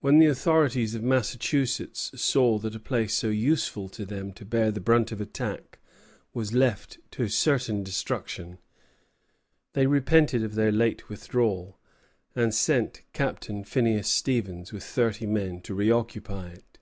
When the authorities of Massachusetts saw that a place so useful to bear the brunt of attack was left to certain destruction, they repented of their late withdrawal, and sent Captain Phineas Stevens, with thirty men, to re occupy it.